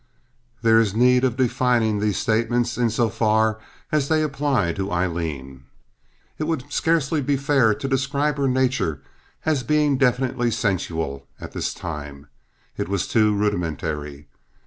There is need of defining these statements in so far as they apply to Aileen. It would scarcely be fair to describe her nature as being definitely sensual at this time. It was too rudimentary.